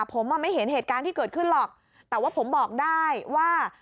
ผมอ่ะไม่เห็นเหตุการณ์ที่เกิดขึ้นหรอกแต่ว่าผมบอกได้ว่า